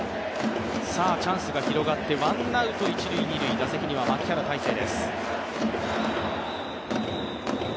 チャンスが広がってワンアウト一塁・二塁、打席には牧原大成です。